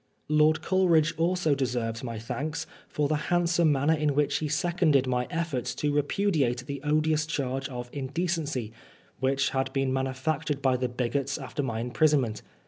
Lord Coleridge also de9erveB my thanks for the handsome manner in which he seconded my efforts to repudiate the odious charge of " indecency,'^ which had been manufactured by the bigots after my im^ prisonment.